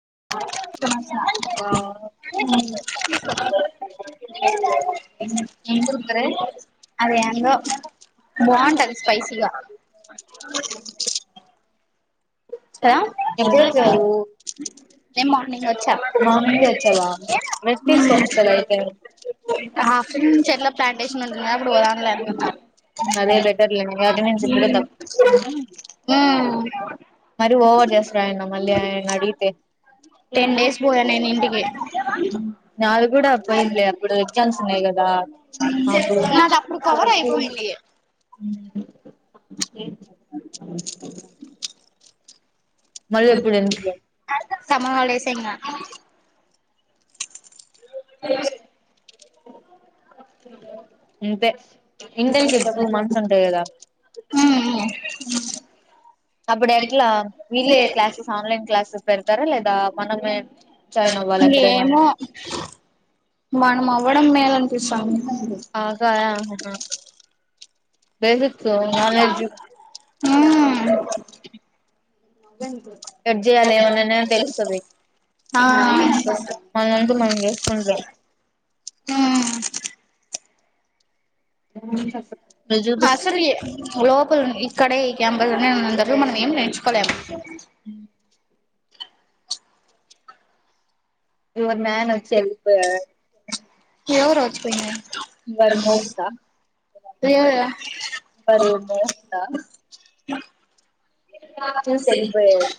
[unintelligible] ఏం కుర్కురే అది ఎందో బాగుంటది స్పైసీగా కదా [unintelligible] నేను మార్నింగ్ వచ్చా మార్నింగ్ వచ్చవా మెస్ తీసుకో వచ్చు కదా అయితే, హాఫ్న్ చెట్ల ప్లాంటేషన్ ఉంటుందా అప్పుడు పోదాం లే అనుకున్నా అదే బెటర్ లే అట తగ్గుతుంది, మర ఓవర్ చేస్తారు ఆయన మళ్ళీ ఆయన అడిగితే, ఎం టెన్ డేస్ పోయా చేస్తునావు నేను ఇంటికి నావి కూడా పోయిలే అప్పుడు ఎగ్జామ్స్ ఉన్నాయి, అంతే కదా నాది అప్పుడు కవర్ అయిపోయింది [unintelligible] మళ్ళీ ము ఎప్పుడు ఎందుకులే సమ్మర్ హాలిడేసే ఇంగా [unintelligible] ఇంతే ఇంటేషన్ టూ మంత్స్ ఉంటాయి, కదా అప్పుడెట్లా వీళ్ళే క్లాసెస్, ఆన్లైన్ క్లాసు పెడతారా లేదా మనమే, జాయిన్ అవ్వాలి ఎక్కడైనా ఏమో మనం అవ్వడం మేల్‌ అనిపిస్తాది. ఆగా హ హ బేసతు నాన్ వెజ్ ఎట్ జేయాలి ఏమన్నాన్నా తెలుస్తది ఆ మనంటూ ము మనం చేసుకుంటాం నువ్వు చూపిస్తు అసలుఎ బ్రో ఇప్పుఇక్కడే ఈ క్యాంప నే అందరు మనమే ము యూవర్ మ్యాన్ వచ్చి ఎల్పోయాడ్ ఎవరు వచ్చిపోయింది [unintelligible] బరువు ఉందా అంట చెస్తే ఎళ్ళిపోయాడ్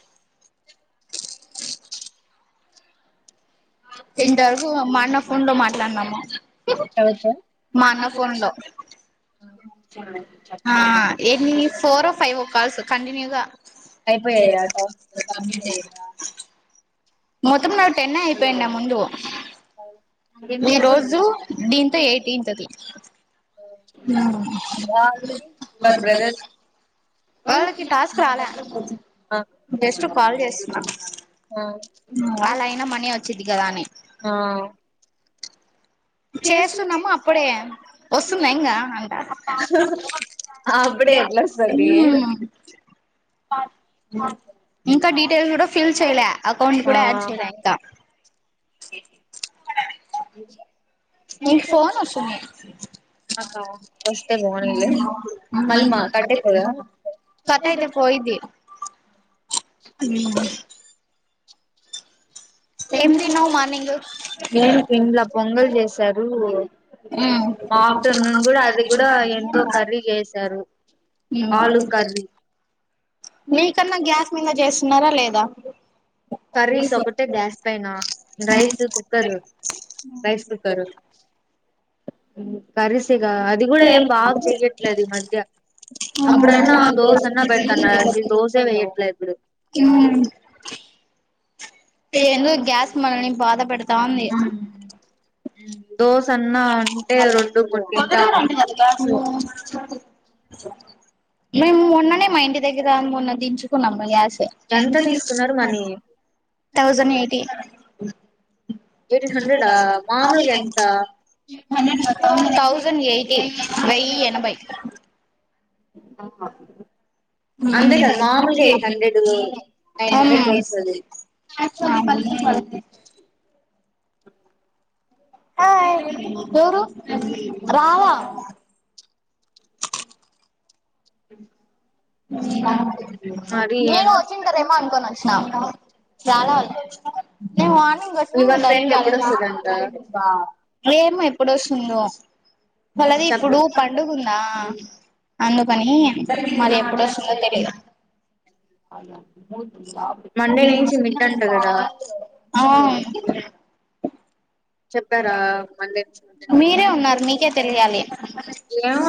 ఇందాపు మా అన్న ఫోన్ లో మాట్లాడినాము ఎవరు మా అన్న ఫోన్లో ఆ ఎన్‌ ఫోర్ఓ ఫైవ్ఓ కాల్స్ కంటిన్యూగా అయిపోయాయా టాస్క్ కంప్లీట్ అయ్యిందా [unintelligible] మొత్తం నవి టెనే అయిపోన ముందు ఈ రోజు దీంతో ఎయిటీన్త్ ది ఉమ్ వాళ్ళది యువర్ బ్రదర్ [unintelligible] వాళ్ళకి టాస్క్ రాలే అంట ఆ జెస్ట్ కాల్ జేస్తున్న ఆ వాళైయినా మని ఓచ్చిదిగాదా అని ఆ చేస్తున్నాము అప్పుడే వస్తునయి ఇగా అంట అప్పుడే ఎట్లా వస్తది హ్మ్ ఇంకా డీటెల్డ్ ఫిల్ చేయ్ లే అకౌంట్ కూడా ఆడ్ చేయాలే ఇంక క్క్ నిక్ ఫోన్ ఓస్తుది అక్క వస్తే బాగుండేది మళ్ళీ మా కట్టే అయితది కదా కట్ అయితే పోయిద్ది ఉహూ ఏం తిన్నావు మార్నింగ్ ఏమ్ తినలే పొంగల్ జేశారు ఉమ్ అది కూడా ఎంతో కర్రీ చేసారు ఆలు కర్రీ నీకన్నా గ్యాస మీనా జేసున్నారా లేదా కర్రీస్ ఒకటే గ్యాస్ పైన rice cooker rice cooker curries ఇగా అది కూడా ఏం బావ్ చెయ్యట్లేదు ఈ మధ్య ఉమ్ అప్పుడన్న దోశన్న పెడ్తన్నా అసల్‌ దోసే వెయ్యట్లే ఇప్పుడు ఏందో గ్యాస్ మనల్ని బాధ పెడతాంది దోశన్నా అంటే రెండు మూడు తింటాము మేము మొన్ననే మా ఇంటి దగ్గర మొన్న దించుకున్నాము మా గ్యాస్ ఎంత తీసుకున్నారు మనీ తౌసంద్ ఎయిటీ ఎయిటీన్ అంట హండ్రెడా ఆమె మామూలుగా ఎంత తౌసండ్ ఎయిటీ వెయ్యి ఎనభై ఆ ఉమ్ నైన్ హండ్రెడ్ కి వస్తది అవునా అవునా హాయ్ ఎవరు రాదా అ ఉ నేను వచ్చింటదేమో మరి అనుకోని వచ్చినా చాలను నేను మార్నింగ్ వచ్చిన యువర్ ఉంట ఫ్రెండ్ కాలే ఎప్పుడొస్తదంట ఏమో ఎప్పుడు వస్తుందో వాళది చెప్ ఇప్పుడు పండుగందా అందుకని మరి ఎప్పుడు వస్తుందో తెలీయదు మండే నుంచి మిడ్ అంట కదా ఆ చెప్పారా మండే నుంచ్ మీరే ఉన్నారు మీకే తెలియాలి ఏమో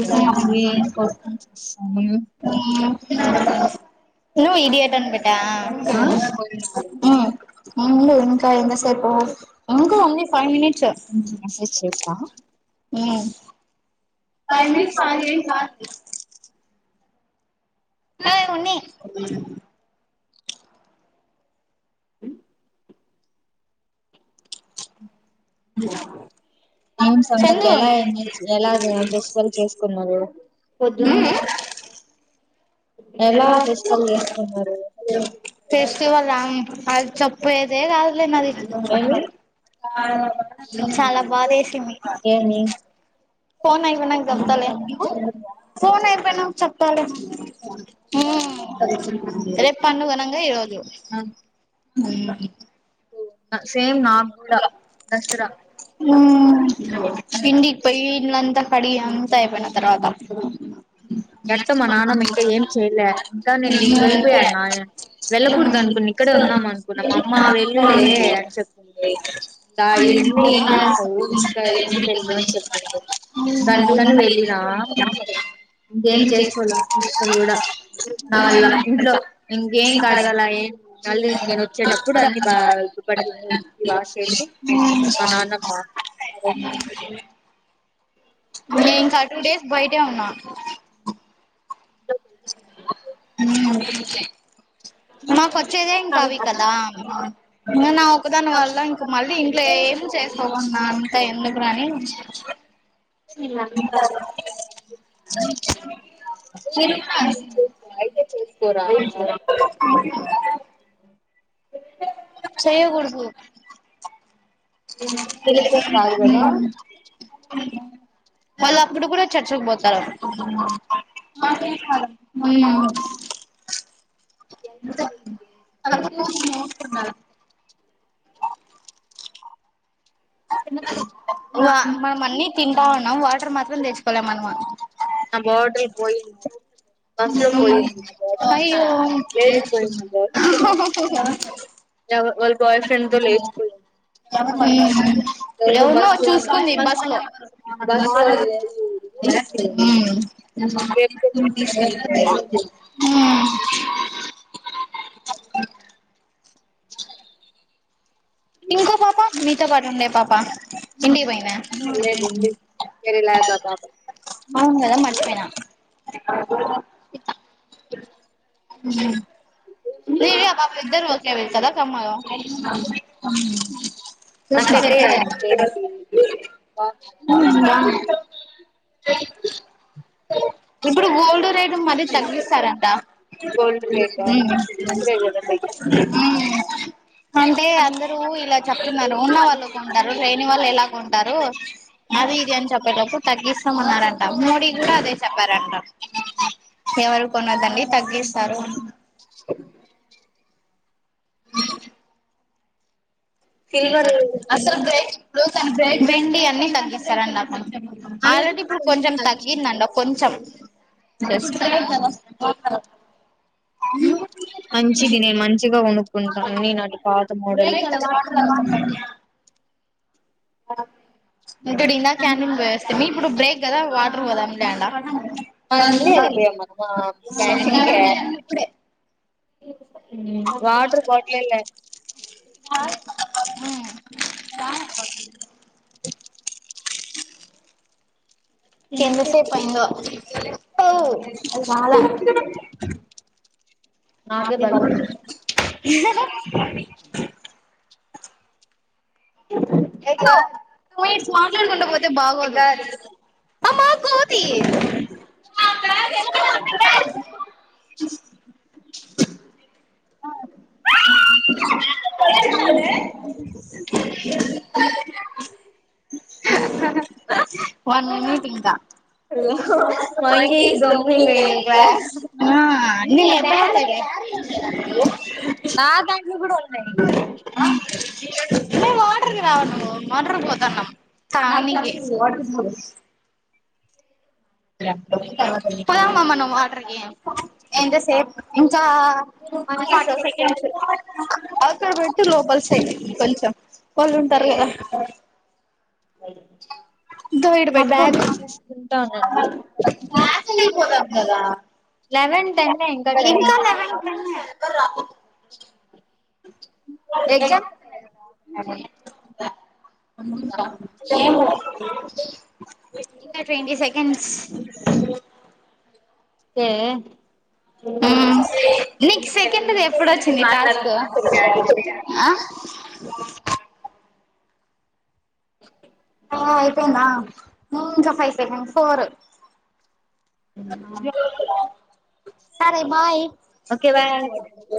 అసలు ఏం క్యూస్షన్స్ చూసుకోలే నువ్వు ఇడియట్ అని పెట్టా ఊ ఉండు ఇంకా ఎంత సేపు ఇంకా ఉంది ఫైవ్ మినిట్స్ మెసేజ్ చేసా ఉమ్ పైవ్ మినిట్స్ ఆగు ఏం కాదు. ఏయ్ ఉన్ని ఉం ఏం సంగతి ఎలా ఎంజయ్ ఎలా ఫెస్టివల్ చేస్కున్నారు? పొద్దున్నే ఫెస్టివల్లా అది చప్పేది కాదులే నాది ఏమి ఏంది చాలా బాధ వేసింది. ఏమి ఫోన్ అయిపోయినాంక చెప్తాలే ఫోన్ అయిపోయినాక చెప్తాలే. ఉమ్ రే పండుగనంగా ఈ రోజు ఉమ్ సేమ్ నాకు కూడా నాకూడా దసరా తిండికి పోయిందంతా అంతా కడిగి అంతా ఐపోయినా తర్వాత ఎట్టో మానానమ్ ఇంకా ఏం చేయ్లే ఇంకా నేను ఇంటికి ఎళ్ళిపోయా నా వెళ్ళకూడదు అనుకు ఇక్కడే ఉందాం నేను అనుకున్నా మా అమ్మ వెళ్ళులే అని చెప్ కా ఈడుండి ఏం చేస్తావు ఇంకా ఇంటికి వెళ్ళు అని చెప్పింది. గందుకని వెళ్లి నా? ఇంకేం చేసుకోల పల్ కూడా నా వల్ల ఇంట్లో ఇంకేం కడగల ఏం మళ్ళీ నేను వచ్చేటప్పుడు అన్ని బా దు వాష్ చేసి మా నానమ్మా [inaudible] నే ఇంకా టూ డేస్ బయ్టే ఉన్నా. ఉమ్ మాకొచ్చేదే ఇంకా అవి కదా ఇంగ నా ఒక్కదాని వల్ల ఇంక మళ్ళీ ఇంట్లో ఏమి చేస్ అవు నా అంతా ఎందుకు రా అని ఇంగంతా [inaudible] మీరు పోరా వీళ్ళకేం కాదు కదా ఉమ్ వాళ్ళు అప్పుడు కూడా చర్చ్ కు బోత్ [unintelligible] ఉమ్ ఎంత సేపు అది చూసి [unintelligible] వా మనం అన్ని తింటా ఉన్నాం వాటర్ మాత్రం తెచ్చుకోలే మనము ఆ బాటల్ పోయిం బస్ లో పోయింది నా బా న్న అయ్యో లేచిపోయింది నా బాట్ వాళ్ళ బాయ్ ఫ్రెండ్ తో లేచిపోయింది. ఉమ్ ఎవరో ఎవర్నో బస్ లో చూసుకుంది బస్ లో బస్ లో [inaudible] లేపుకొని ఉమ్ [unintelligible] తీసుకొని వెళ్ళిపోయాడు ఉమ్ ఇంకో పాప మీతో పాటు ఉండే పాప ఇంటికి పొయినా కేరేలా దా పాప అవున్ గదా మర్చిపోయినా [inaudible] ఉమ్ ఏ ఎ పాప ఇద్దరు ఒకే రోజ్ కదా కమ్మరు నాకు సెట్ చెక్క అయ్యారు నా ఫేస్ కి ఇప్పుడు గోల్డ్ రెట్ మళ్ళీ తగ్గిస్తారంట గోల్డ్ రేట్ మంచిద్ మ్మ్ అంటే అందరూ ఇలా చెప్తున్నారు ఉన్న వాళ్ళు కొంటారు లేని వాళ్ళు ఎలా కొంటారు అది ఇది అని చెప్పేటప్పుడు తగ్గిస్తాం అన్నారంట మోడీ కూడా అదే చెప్పారంట ఎవరు కొన్నదండి తగ్గిస్తారు సిల్వర్ అసలు బ్రేక్ లుస్ అండ్ బ్రె వెండి అన్ని తగ్గిస్తారంట ఆ ఇప్పుడు కొంచెం తగ్గిందంట కొంచెం జస్ట్ ఇప్పుడే కద ఆ మంచిది నేను మంచిగా కొనుకుంటాను అన్ని నటు కాద్ బ్రేక్ కద వాటర్ కి ఎళ్ళోద్దమ డిన్నర్ క్యాంటన్ పోయ్ వస్తిమి ఇప్పుడు బ్రేక్ కదా వాటర్ పోదం లేండ అందరు ఎళ్ళిపోయం మొత్తం క్యాంటిన్కే ఇప్పుడే వాటర్ బాటిలేల్లే త కింద సేపు పైందో ఓ.. అది బాలే నాకే ఆప్ కే బల్ భగవన్ హె గార్ల్ మాట్లాడుకుండా పోతే బాగోదు అమ్మా కోతి ఆ వన్ మినిట్ ఇంక monkey is monkeys talk gumming in N class జాయిస్ ఆ నీకు అర్థమయితలే నా దానిలో కూడ ఉన్నాయి నువ్వు వాటర్ ఇవ్వవ్ నువ్వు వాటర్కి పోతాన్నాం తాగనికే పోదామ మనం వాటర్కి ఎంత సేపు ఛ మంకీస్ ఫార్టీ వస్తే సెకండ్స్ అక్కడ పెట్టి లోపలి సైడ్ కొంచెం వాళ్ళు ఉంటారు కదా అ దో ఇటు మా పెట్టు బ్యాగ్ చూసుకుంటా ఉండండి క్లాస్కి వెళ్ళిపోతాం కదా ఇంకా మహన్ కన్నా ఎగ్జామ్స్ ఉన్నాయి కద ఇంకా ట్వంటి సెకండ్స్ ఏ నీకు సెకండ్ది ఎప్పుడొచ్చింది టాస్క్ ఓకే బ ఓే ఓ అయిపోయింద ఇంకా ఫైవ్ సెంకడ్స్ ఫోర్ సరే బాయ్ ఓకే బాయ్